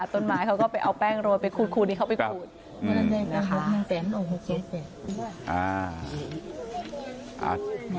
ต้นไม้เขาก็ไปเอาแป้งโรยไปขูดที่เขาไปขูดนะคะ